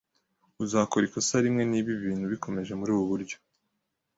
Uzakora ikosa rimwe niba ibintu bikomeje murubu buryo